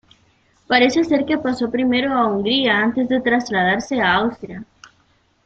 Parece ser que pasó primero a Hungría, antes de trasladarse a Austria.